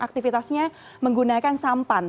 aktivitasnya menggunakan sampan